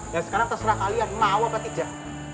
dan sekarang terserah kalian mau apa tidak